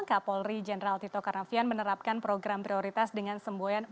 kapolri jenderal tito karnavian menerapkan program prioritas dengan semboyan